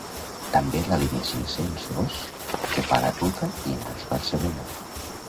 També la línia cinc-cents dos que fa la ruta Llinars -Barcelona